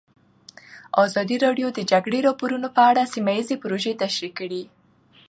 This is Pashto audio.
ازادي راډیو د د جګړې راپورونه په اړه سیمه ییزې پروژې تشریح کړې.